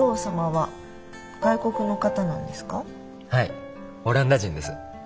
はいオランダ人です。